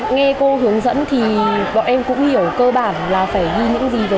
nghe cô hướng dẫn thì bọn em cũng hiểu cơ bản là phải ghi những gì về